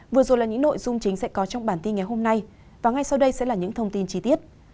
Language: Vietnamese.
vừa rồi là những nội dung chính sẽ có trong bản tin ngày hôm nay và ngay sau đây sẽ là những thông tin chi tiết